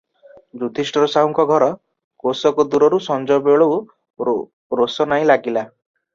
ଯୁଧିଷ୍ଠିର ସାହୁଙ୍କ ଘର କୋଶକ ଦୂରରୁ ସଞବେଳୁ ରୋଷନାଈ ଲାଗିଲା ।